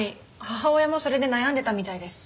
母親もそれで悩んでたみたいです。